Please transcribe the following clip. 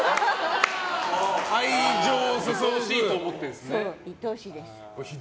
愛おしいと思ってるんですね。